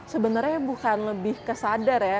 sebenernya bukan lebih kesadar ya